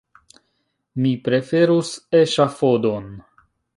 Mi preferus eŝafodon!